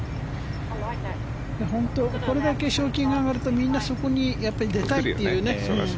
本当これだけ賞金が上がるとみんなそこに出たいというね。